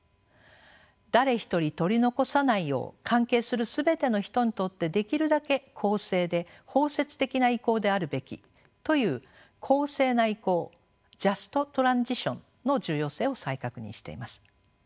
誰一人取り残さないよう関係する全ての人にとってできるだけ公正で包摂的な移行であるべきという公正な移行ｊｕｓｔｔｒａｎｓｉｔｉｏｎの重要性を再確認しています。